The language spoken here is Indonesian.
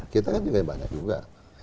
kita kan juga banyak juga